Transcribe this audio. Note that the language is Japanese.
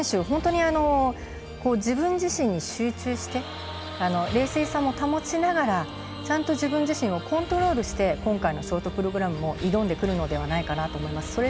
本当に自分自身に集中して冷静さも保ちながらちゃんと自分自身をコントロールして今回のショートプログラムも挑んでくるのではないかなと思います。